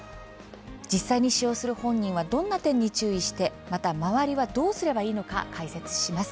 実際に使用する本人はどんな点に注意してまた周りどうすればよいかを解説します。